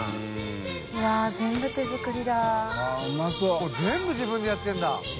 これ全部自分でやってるんだ？